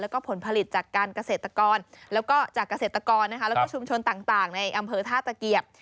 แล้วก็ผลผลิตจากการเกษตรกรแล้วก็จากเกษตรกรแล้วก็ชุมชนต่างในอำเภอท่าตะเกียบ